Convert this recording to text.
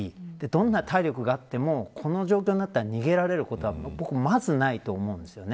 どんな体力があってもこの状況になったら逃げられることはまずないと思います。